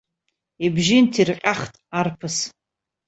Ибжьы нҭирҟьахт арԥыс.